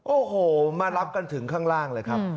โอ้โหมารับกันถึงข้างล่างเลยครับ